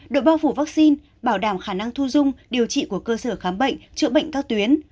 độ bao phủ vaccine bảo đảm khả năng thu dung điều trị của cơ sở khám bệnh chữa bệnh các tuyến